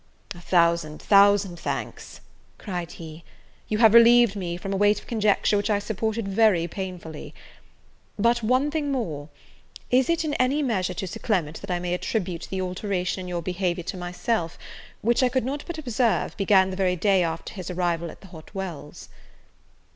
"A thousand, thousand thanks!" cried he: "you have relieved me from a weight of conjecture which I supported very painfully. But one thing more; is it, in any measure, to Sir Clement that I may attribute the alteration in your behaviour to myself, which, I could not but observe, began the very day after his arrival at the Hot Wells?"